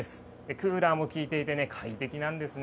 クーラーも効いていて快適なんですね。